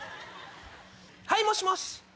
はいもしもし。